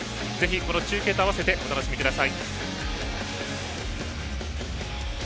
ぜひ中継とあわせてお楽しみください。